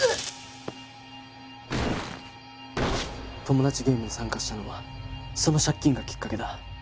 トモダチゲームに参加したのはその借金がきっかけだ。